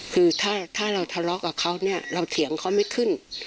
คือถ้าเราทะเลาะกับเขาเนี่ยเราเถียงเขาไม่ขึ้น